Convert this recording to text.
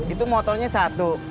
itu motornya satu